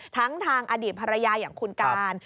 ทั้งทางอดีตภรรยาอย่างคุณการ